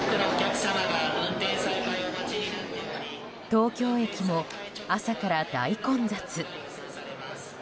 東京駅も朝から大混雑。